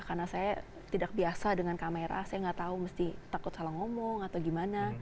karena saya tidak biasa dengan kamera saya tidak tahu mesti takut salah ngomong atau gimana